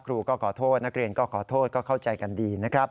ครูก็ขอโทษนักเรียนก็ขอโทษก็เข้าใจกันดีนะครับ